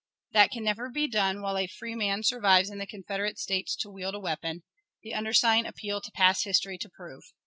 That that can never be done, while a free *man survives in the Confederate States to wield a weapon, the undersigned appeal to past history to prove.